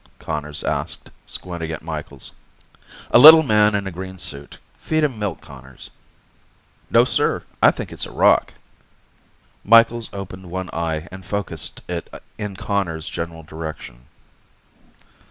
Conners asked, squinting at Micheals. "A little man in a green suit. Feed him milk, Conners." "No, sir. I think it's a rock." Micheals opened one eye and focused it in Conners' general direction.